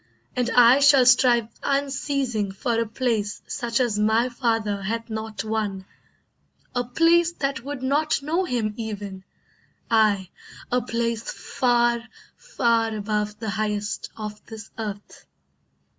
And I shall strive unceasing for a place Such as my father hath not won, a place That would not know him even, aye, a place Far, far above the highest of this earth."